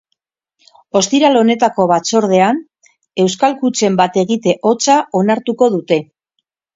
Ostiral honetako batzordean euskal kutxen bat-egite hotza onartuko dute.